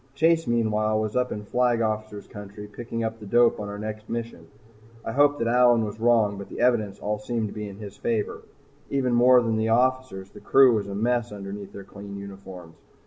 Chase, meanwhile, was up in Flag Officer's Country picking up the dope on our next mission. I hoped that Allyn was wrong but the evidence all seemed to be in his favor. Even more than the officers, the crew was a mess underneath their clean uniforms.